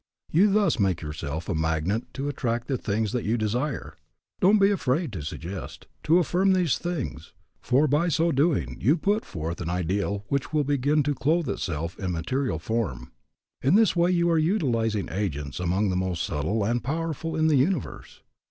You thus make yourself a magnet to attract the things that you desire. Don't be afraid to suggest, to affirm these things, for by so doing you put forth an ideal which will begin to clothe itself in material form. In this way you are utilizing agents among the most subtle and powerful in the universe.